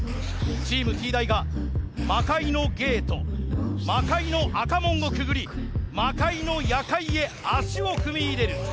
チームＴ大が魔改のゲート魔改の赤門をくぐり魔改の夜会へ足を踏み入れる。